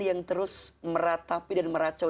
yang terus meratapi dan meracau